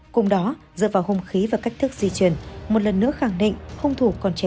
cùng đó dựa vào hùng khí và cách thức di chuyển một lần nữa khẳng định hùng thổ còn trẻ tuổi